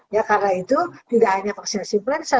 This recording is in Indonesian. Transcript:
ya karena itu tidak hanya vaksinasi influenza